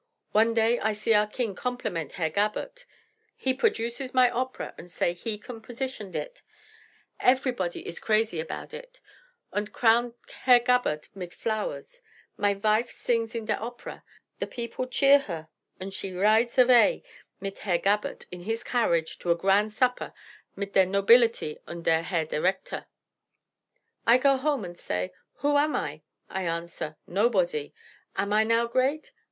One day I see our king compliment Herr Gabert. He produces my opera unt say he compositioned it. Eferybody iss crazy aboud id, unt crown Herr Gabert mit flowers. My vife sings in der opera. The people cheer her unt she rides avay mit Herr Gabert in his carriage to a grand supper mit der nobility unt der Herr Director. "I go home unt say: 'Who am I?' I answer: 'Nobody!' Am I now great?